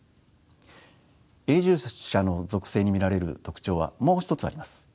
永住者の属性に見られる特徴はもう一つあります。